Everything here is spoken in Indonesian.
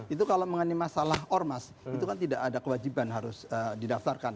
itu kalau mengenai masalah ormas itu kan tidak ada kewajiban harus didaftarkan